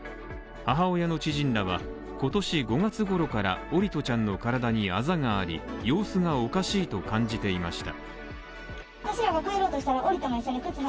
母親の知人らは今年５月ごろから桜利斗ちゃんの体にあざがあり、様子がおかしいと感じていました。